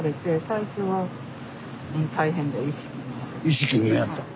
意識不明やったん？